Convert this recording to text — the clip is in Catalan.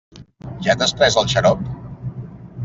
Ja t'has pres el xarop?